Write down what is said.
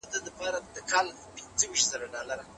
د غير بالغ خاوند طلاق نه واقع کيږي.